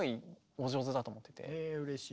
えうれしい。